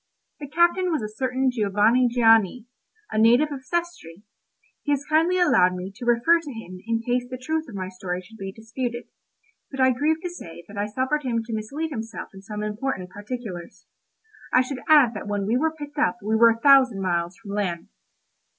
The captain was a certain Giovanni Gianni, a native of Sestri; he has kindly allowed me to refer to him in case the truth of my story should be disputed; but I grieve to say that I suffered him to mislead himself in some important particulars. I should add that when we were picked up we were a thousand miles from land.